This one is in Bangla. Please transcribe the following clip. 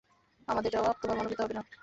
আমাদের জবাব তোমার মনঃপুত হবে না।